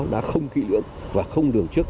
đã không khí lưỡng và không đường trước